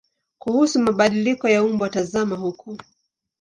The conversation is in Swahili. Kuhusu mabadiliko ya umbo tazama huko.